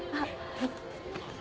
はい。